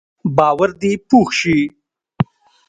باور دې پوخ شي.